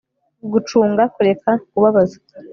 gucunga kureka kubabaza